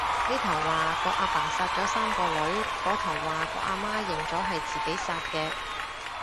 呢頭話個阿爸殺咗三個女，嗰頭話個阿媽認咗係自己殺嘅